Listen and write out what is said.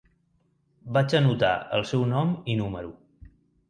Vaig anotar el seu nom i número.